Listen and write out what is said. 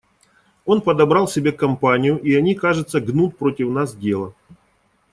Он подобрал себе компанию, и они, кажется, гнут против нас дело.